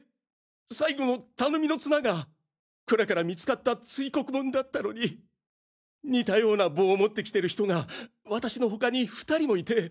最後の頼みの綱が倉から見つかった堆黒盆だったのに似たような盆を持って来てる人が私の他に２人もいて。